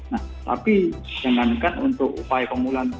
nah tapi jangankan untuk upaya pemulaan